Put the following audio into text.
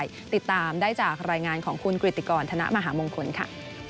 ติดตามได้จากรายงานของคุณกริติกรธนมหามงคลค่ะ